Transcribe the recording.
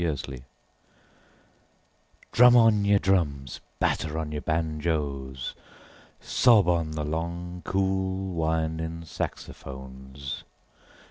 Jazz Fantasia DRUM on your drums, batter on your banjoes, sob on the long cool winding saxophones.